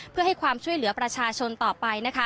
เพื่อให้ความช่วยเหลือประชาชนต่อไปนะคะ